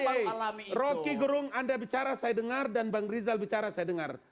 dengar dulu tadi rocky gorong anda bicara saya dengar dan bang rizal bicara saya dengar